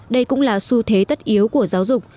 đây cũng là xu thế tất yếu của giáo dục